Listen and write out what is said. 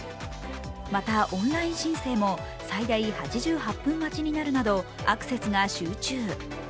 また、オンライン申請も最大８８分待ちになるなどアクセスが集中。